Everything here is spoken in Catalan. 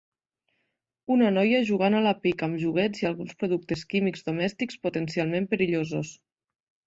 Una noia jugant a la pica amb joguets i alguns productes químics domèstics potencialment perillosos